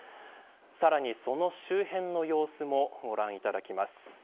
さらに、その周辺の様子もご覧いただきます。